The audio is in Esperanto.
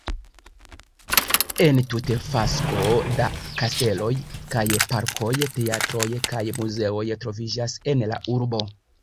Entute fasko da kasteloj kaj parkoj, teatroj kaj muzeoj troviĝas en la urbo.